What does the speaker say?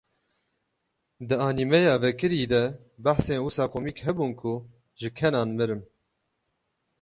Di anîmeya vekirî de behsên wisa komîk hebûn ku ji kenan mirim.